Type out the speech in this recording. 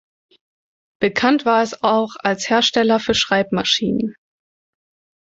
Bekannt war es auch als Hersteller für Schreibmaschinen.